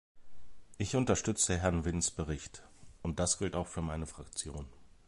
Ich unterstütze Herrn Wynns Bericht, und das gilt auch für meine Fraktion.